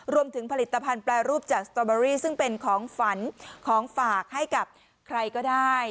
รวมถึงผลิตภัณฑ์แปรรูปจากสตอเบอรี่ซึ่งเป็นของฝันของฝากให้กับใครก็ได้